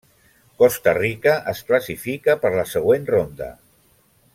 Costa Rica es classifica per la següent ronda.